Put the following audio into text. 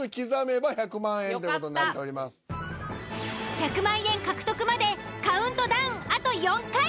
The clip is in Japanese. １００万円獲得までカウントダウンあと４回。